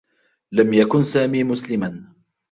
لم يكن سامي مسلما.